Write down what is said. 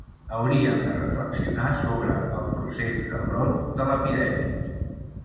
Hauríem de reflexionar sobre el procés de brot de l’epidèmia.